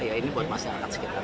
ya ini buat masyarakat sekitar